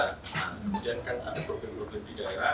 kemudian kan ada problem problem di daerah